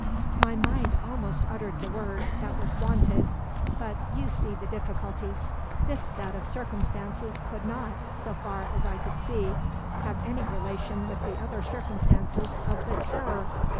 "My mind almost uttered the word that was wanted; but you see the difficulties. This set of circumstances could not, so far as I could see, have any relation with the other circumstances of the Terror.